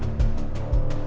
minggir minggir minggir